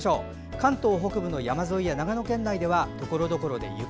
関東北部の山沿いや長野県内ではところどころで雪。